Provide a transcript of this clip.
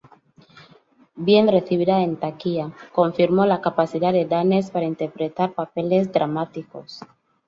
Bien recibida en taquilla, confirmó la capacidad de Danes para interpretar papeles dramáticos.